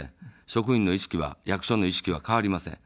職員の意識は、役所の意識は変わりません。